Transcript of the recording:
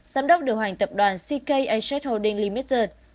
giám đốc điều hành tập đoàn ckhs holding limited